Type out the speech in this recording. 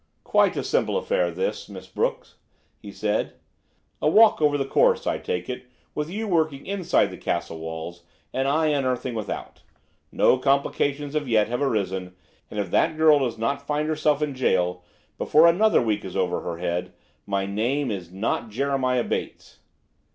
"Quite a simple affair, this, Miss Brooke," he said: "a walk over the course, I take it, with you working inside the castle walls and I unearthing without. No complications as yet have arisen, and if that girl does not find herself in jail before another week is over her head, my name is not Jeremiah Bates."